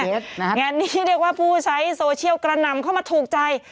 งานนี้เรียกว่าผู้ใช้โซเชียลกระนำเข้ามาถูกใจ